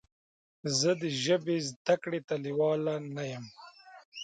زه د ژبې زده کړې ته لیواله نه یم.